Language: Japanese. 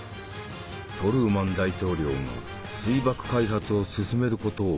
トルーマン大統領が水爆開発を進めることを決定。